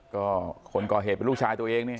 ก็คนก่อเหตุเป็นลูกชายตัวเองนี่